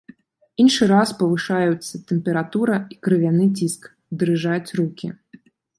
Іншы раз павышаюцца тэмпература і крывяны ціск, дрыжаць рукі.